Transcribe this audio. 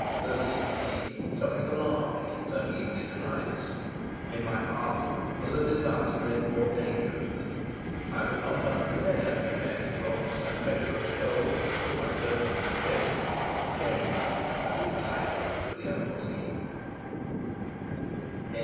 There seemed to me something alarming in such easy delights. In my heart was a desire to live more dangerously. I was not unprepared for jagged rocks and treacherous shoals if I could only have change change and the excitement of the unforeseen.